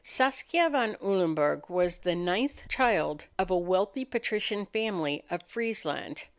Saskia van Ulenburg was the ninth child of a wealthy patrician family of Friesland.